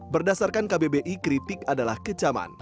berdasarkan kbbi kritik adalah kecaman